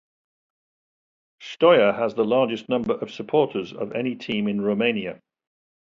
Steaua has the largest number of supporters of any team in Romania.